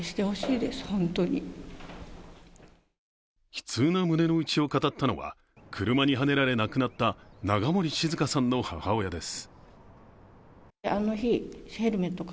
悲痛な胸のうちを語ったのは車にはねられ亡くなった永森志寿香さんの母親です。